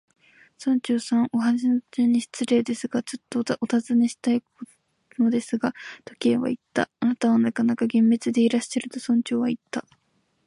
「村長さん、お話の途中なのに失礼ですが、ちょっとおたずねしたいのですが」と、Ｋ はいった。「あなたはなかなか厳密でいらっしゃる」と、村長はいった。